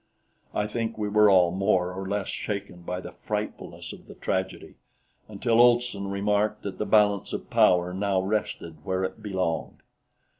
I think we were all more or less shaken by the frightfulness of the tragedy until Olson remarked that the balance of power now rested where it belonged.